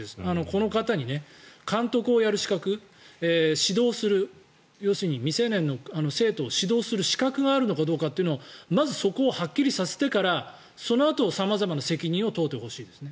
この方に監督をやる資格指導をする要するに未成年の指導をする資格があるのかというのをはっきりさせてからそのあと様々な責任を問いてほしい。